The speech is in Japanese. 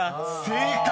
［正解！